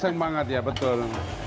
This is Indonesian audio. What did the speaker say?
semangat ya betul